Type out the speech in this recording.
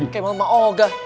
kayak malem mah oga